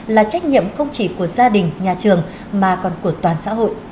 là trách nhiệm không chỉ của gia đình nhà trường mà còn của toàn xã hội